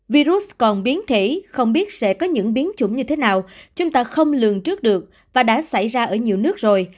virus còn biến thể không biết sẽ có những biến chủng như thế nào chúng ta không lường trước được và đã xảy ra ở nhiều nước rồi